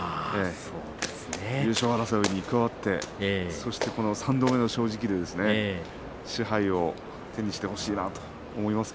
優勝争いに加わって、そして三度目の正直で賜盃を手にしてほしいなと思います。